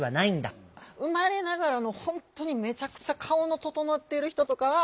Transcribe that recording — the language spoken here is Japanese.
生まれながらの本当にめちゃくちゃ顔の整ってる人とかは。